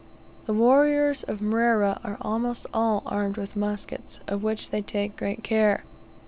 The warriors of Mrera are almost all armed with muskets, of which they take great care.